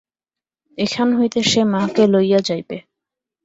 এখান হইতে সে মাকে লইয়া যাইবে!